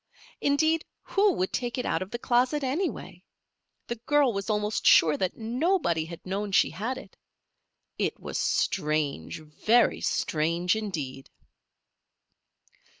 Indeed, who would take it out of the closet, anyway? The girl was almost sure that nobody had known she had it. It was strange, very strange indeed.